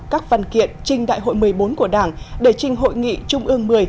các văn kiện trình đại hội một mươi bốn của đảng để trình hội nghị trung ương một mươi